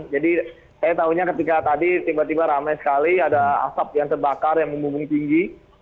jadi saya tahunya ketika tadi tiba tiba ramai sekali ada asap yang terbakar yang membumbung tinggi